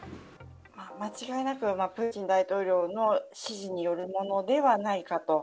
間違いなくプーチン大統領の指示によるものではないかと。